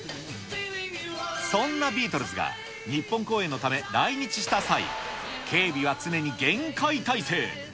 そんなビートルズが日本公演のため来日した際、警備は常に厳戒態勢。